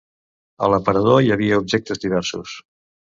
A l'aparador hi havia objectes diversos.